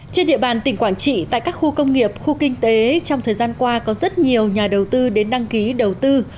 trên địa bàn tỉnh quảng trị tại các khu công nghiệp khu kinh tế trong thời gian qua có rất nhiều nhà đầu tư đến đăng ký đầu tư